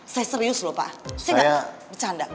saya serius pak saya nggak bercanda